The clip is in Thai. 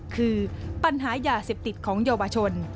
คือปัญหายาเสพติดของเยาวชน